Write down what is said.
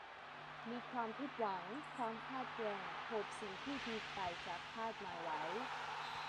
มีความผิดหวัง ความขัดแย้ง พบสิ่งที่ผิดไปจากคาดหมายไว้